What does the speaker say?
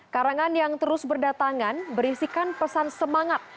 karangan yang terus berdatangan berisikan pesan semangat